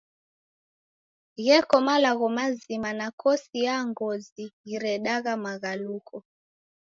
Gheko malagho mazima nakosi ya ngozi ghiredagha maghaluko.